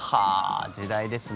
時代ですね。